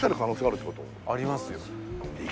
ありますよ。